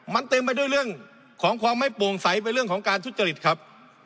มันเต็มไปด้วยเรื่องของความไม่โปร่งใสไปเรื่องของการทุจริตครับ